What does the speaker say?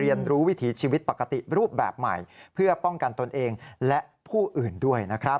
เรียนรู้วิถีชีวิตปกติรูปแบบใหม่เพื่อป้องกันตนเองและผู้อื่นด้วยนะครับ